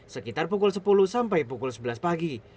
sekitar pukul sepuluh sampai pukul sebelas pagi